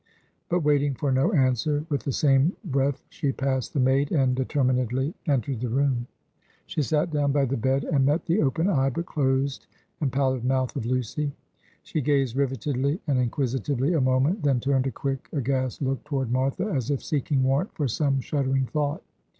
But waiting for no answer, with the same breath she passed the maid, and determinately entered the room. She sat down by the bed, and met the open eye, but closed and pallid mouth of Lucy. She gazed rivetedly and inquisitively a moment; then turned a quick aghast look toward Martha, as if seeking warrant for some shuddering thought.